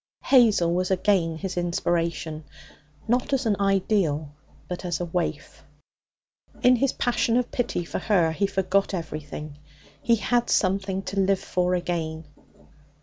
Hazel was again his inspiration, not as an ideal, but as a waif. In his passion of pity for her he forgot everything. He had something to live for again.